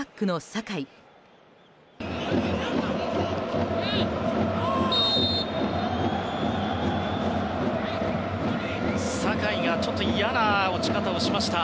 酒井が嫌な落ち方をしました。